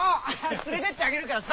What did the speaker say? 連れてってあげるからさ。